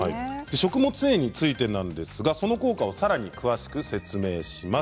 食物繊維についてなんですがその効果をさらに詳しく説明します。